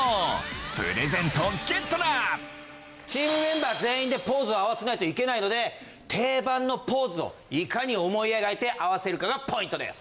チームメンバー全員でポーズを合わせないといけないので定番のポーズをいかに思い描いて合わせるかがポイントです。